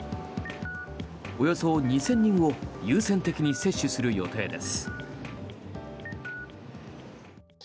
およそ２０００人を優先的に接種する予定です。